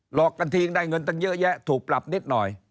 หลอกกันทิ้งได้เงินตั้งเยอะแยะถูกปรับนิดหน่อย